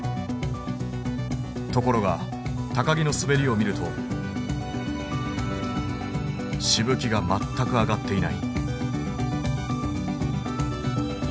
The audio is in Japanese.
ところが木の滑りを見るとしぶきが全く上がっていない。